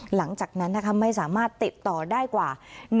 หลังจากนั้นนะคะไม่สามารถติดต่อได้กว่า